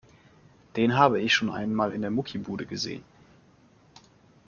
Den habe ich schon mal in der Muckibude gesehen.